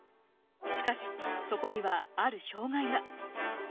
しかしそこにはある障害が。